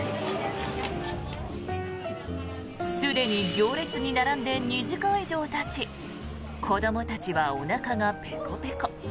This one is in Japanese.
すでに行列に並んで２時間以上たち子どもたちはおなかがペコペコ。